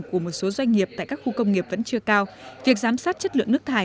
của một số doanh nghiệp tại các khu công nghiệp vẫn chưa cao việc giám sát chất lượng nước thải